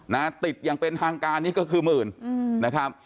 นะติดยังเป็นทางกานนี่ก็คือหมื่น